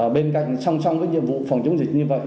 bên cạnh song song với nhiệm vụ phòng chống dịch như vậy